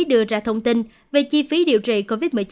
đưa ra thông tin về chi phí điều trị covid một mươi chín